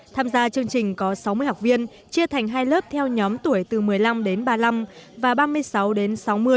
tham gia chương trình có sáu mươi học viên chia thành hai lớp theo nhóm tuổi từ một mươi năm đến ba mươi năm và ba mươi sáu đến sáu mươi